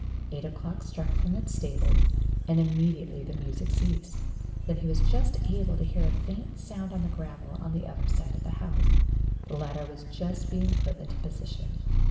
Eight o'clock struck from the stables, and immediately the music ceased. Then he was just able to hear a faint sound on the gravel on the other side of the house; the ladder was just being put into position.